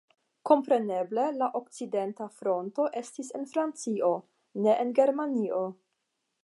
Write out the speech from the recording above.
Kompreneble, la okcidenta fronto estis en Francio, ne en Germanio.